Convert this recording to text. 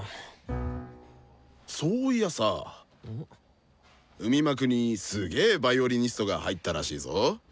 そういやさ海幕にすげヴァイオリニストが入ったらしいぞ。